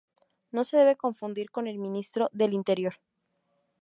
No se debe confundir con el Ministro del Interior.